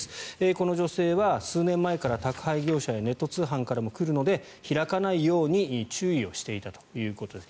この女性は数年前から宅配業者やネット通販からも来るので開かないように注意をしていたということです。